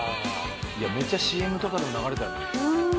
いやめっちゃＣＭとかでも流れてたもん。